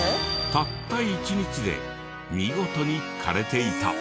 たった１日で見事に枯れていた。